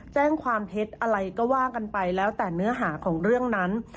แจ้งความเท็จอะไรก็ว่ากันไปแล้วแต่เนื้อหาของเรื่องนั้น